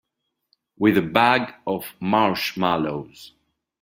With a bag of marshmallows.